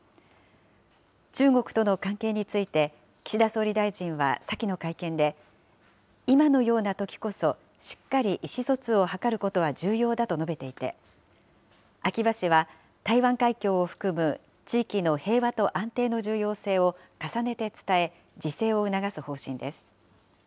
中国との関係について、岸田総理大臣は先の会見で、今のようなときこそ、しっかり意思疎通を図ることは重要だと述べていて、秋葉氏は、台湾海峡を含む地域の平和と安定の重要性を重ねて伝え、自制を促す方針です。